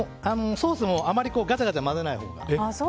ソースもあまりガチャガチャ混ぜないほうが。